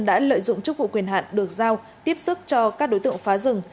đã lợi dụng chức vụ quyền hạn được giao tiếp sức cho các đối tượng phá rừng